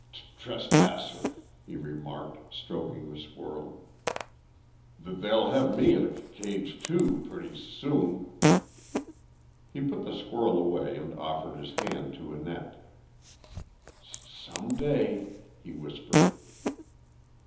"T trespasser!" he remarked, stroking the squirrel. "Th they'll have me in a c cage, too, purty s soon." He put the squirrel away and offered his hand to Annette. "S some day," he whispered.